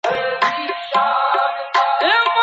په لاس خط لیکل د وخت د ضایع کیدو مخه نیسي.